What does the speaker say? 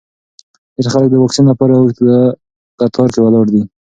ډېر خلک د واکسین لپاره اوږده کتار کې ولاړ دي.